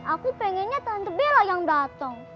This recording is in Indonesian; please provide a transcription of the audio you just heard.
aku pengennya tante bella yang dateng